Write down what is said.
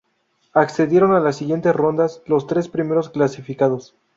Accedieron a la siguiente ronda los tres primeros clasificados.